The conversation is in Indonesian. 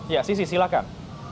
ya sisi silakan